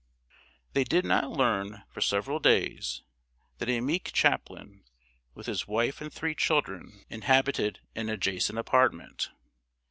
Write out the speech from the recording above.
] They did not learn, for several days, that a meek chaplain, with his wife and three children, inhabited an adjacent apartment.